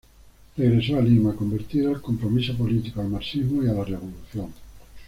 Regresó a Lima, convertido al compromiso político, al marxismo y a la revolución.